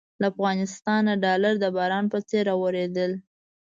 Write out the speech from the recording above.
له افغانستانه ډالر د باران په څېر رااورېدل.